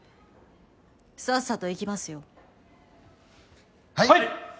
さっさと行きますよはい！